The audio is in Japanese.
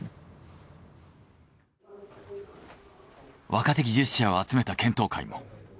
若手技術者を集めた検討会も。